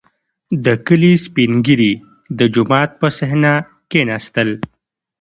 • د کلي سپین ږیري د جومات په صحنه کښېناستل.